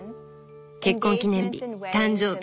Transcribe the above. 結婚記念日誕生日